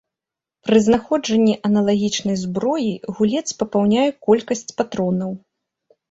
Пры знаходжанні аналагічнай зброі гулец папаўняе колькасць патронаў.